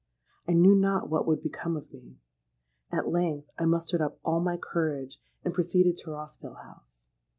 I knew not what would become of me. At length I mustered up all my courage, and proceeded to Rossville House.